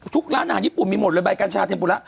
ร้านอาหารญี่ปุ่นมีหมดเลยใบกัญชาเทียมปุระ